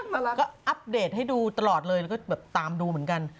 มาราก็อัปเดตให้ดูตลอดเลยแล้วก็แบบตามดูเหมือนกัน